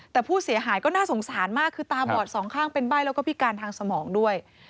แต่ผู้เสียหายก็น่าสงสารมากคือตาบอดสองข้างเป็นใบ้แล้วก็พิการทางสมองด้วย